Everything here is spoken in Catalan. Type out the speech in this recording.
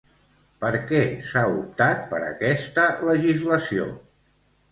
Per què s'ha optat per aquesta legislació?